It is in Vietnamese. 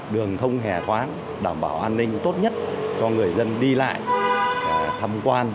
đường thông hẻ thoáng đảm bảo an ninh tốt nhất cho người dân đi lại tham quan